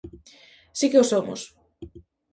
Si que o somos.